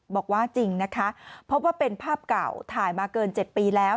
บอกว่าจริงนะคะพบว่าเป็นภาพเก่าถ่ายมาเกิน๗ปีแล้ว